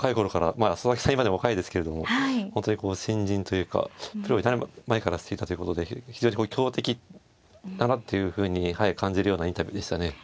今でも若いですけれども本当にこう新人というかプロになる前から指していたということで非常にこう強敵だなというふうに感じるようなインタビューでしたね。